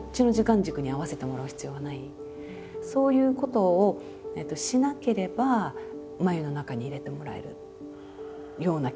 そういうことをしなければ繭の中に入れてもらえるような気がする。